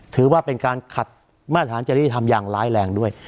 ถือว่าเป็นการขัดมาตรฐานจริยธรรมอย่างร้ายแรงด้วย